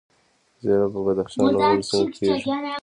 زیره په بدخشان او نورو سیمو کې کیږي